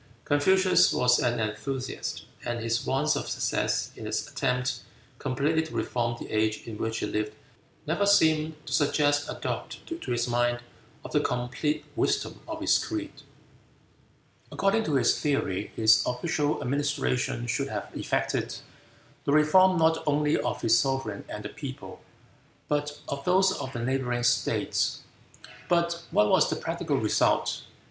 Confucius was an enthusiast, and his want of success in his attempt completely to reform the age in which he lived never seemed to suggest a doubt to his mind of the complete wisdom of his creed. According to his theory, his official administration should have effected the reform not only of his sovereign and the people, but of those of the neighboring states. But what was the practical result?